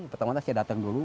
pertama saya datang dulu